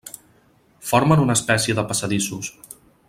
Formen una espècie de passadissos.